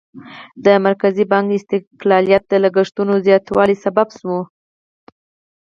د مرکزي بانک استقلالیت د لګښتونو زیاتوالي سبب شو.